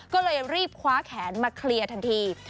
ก็เลยรีบคว้าแขนมาเคลียร์ทันที